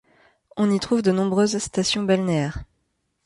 On y trouve de nombreuses stations balnéaires.